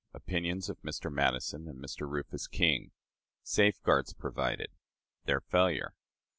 Opinions of Mr. Madison and Mr. Rufus King. Safeguards provided. Their Failure.